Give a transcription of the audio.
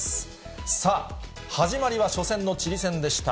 さあ、始まりは初戦のチリ戦でした。